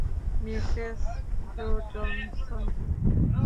Mrs Jo Johnson.